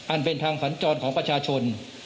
อันเป็นทางสัญจรของประชาชน